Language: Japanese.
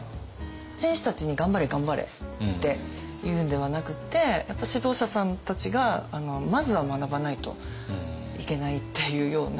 選手たちに「頑張れ頑張れ」って言うんではなくってやっぱ指導者さんたちがまずは学ばないといけないっていうような。